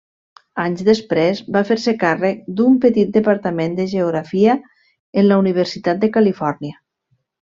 Anys després va fer-se càrrec d’un petit departament de Geografia en la Universitat de Califòrnia.